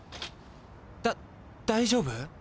だ大丈夫？